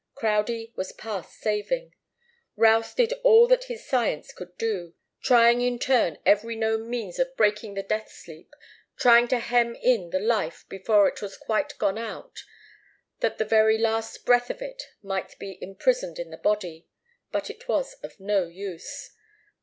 Crowdie was past saving. Routh did all that his science could do, trying in turn every known means of breaking the death sleep, trying to hem in the life before it was quite gone out, that the very least breath of it might be imprisoned in the body. But it was of no use.